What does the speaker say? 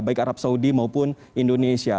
baik arab saudi maupun indonesia